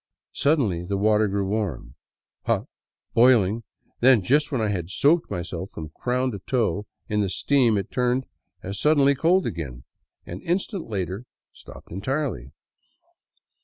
Suddenly the water grew warm, hot, boiling, then, just when I had soaped myself from crown to toe in the steam, it turned as suddenly cold again, and an instant later stopped entirely.